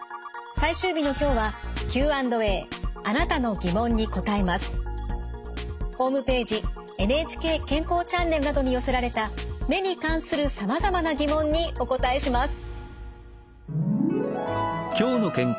最終日の今日はホームページ「ＮＨＫ健康チャンネル」などに寄せられた目に関するさまざまな疑問にお答えします。